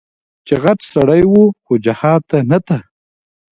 چې غټ سړى و خو جهاد ته نه ته.